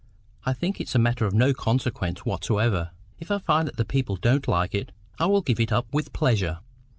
I think it is a matter of no consequence whatever. If I find that the people don't like it, I will give it up with pleasure."